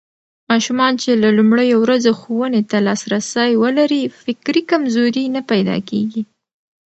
ماشومان چې له لومړيو ورځو ښوونې ته لاسرسی ولري، فکري کمزوري نه پيدا کېږي.